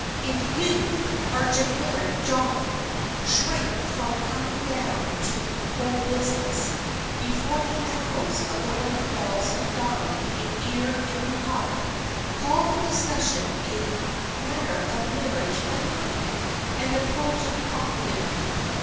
If you—our generic "John"—shrink from coming down to "cold business" before the echoes of the wedding bells have died in ear and in heart, call the discussion a "matter of marriage etiquette," and approach it confidently.